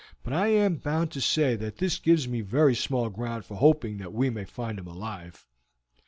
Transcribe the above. But I am bound to say that this gives me very small ground for hoping that we may find him alive.